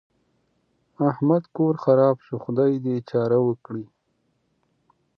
احمد کور خراپ شو؛ خدای دې يې چاره وکړي.